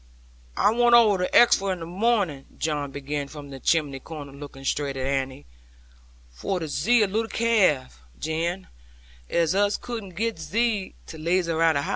'I wor over to Exeford in the morning,' John began from the chimney corner, looking straight at Annie; 'for to zee a little calve, Jan, as us cuddn't get thee to lave houze about.